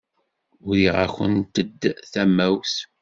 Uriɣ-akent-d tamawt.